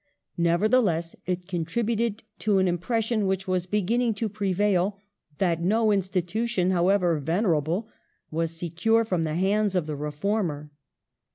Nevertheless, it contributed to an impression which was beginning to prevail that no institution, however venerable, was secure from the hands of the reformer.